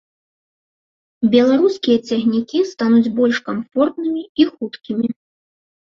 Беларускія цягнікі стануць больш камфортнымі і хуткімі.